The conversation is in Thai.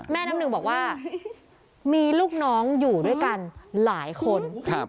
น้ำหนึ่งบอกว่ามีลูกน้องอยู่ด้วยกันหลายคน